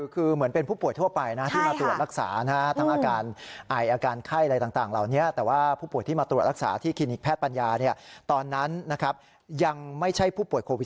คือเหมือนเป็นผู้ป่วยทั่วไปนะที่มาตรวจรักษาทั้งอาการไออาการไข้อะไรต่างเหล่านี้แต่ว่าผู้ป่วยที่มาตรวจรักษาที่คลินิกแพทย์ปัญญาตอนนั้นยังไม่ใช่ผู้ป่วยโควิด